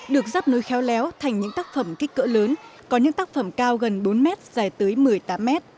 được dắp nối khéo léo thành những tác phẩm kích cỡ lớn có những tác phẩm cao gần bốn m dài tới một mươi tám m